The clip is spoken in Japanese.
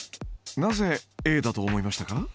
なぜＡだと思いましたか？